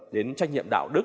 đến trách nhiệm đạo đức